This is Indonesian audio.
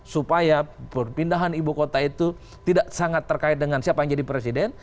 supaya perpindahan ibu kota itu tidak sangat terkait dengan siapa yang jadi presiden